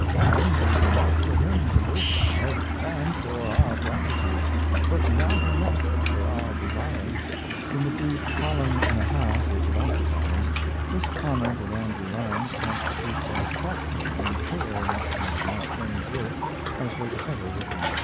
One is enough for him to live by, and for our gratitude, but not enough for our desire. In the brief column and a half which it occupies, this comment of Andrew Lang's constitutes as thoughtful and fair an estimate of Mark Twain's work as was ever written.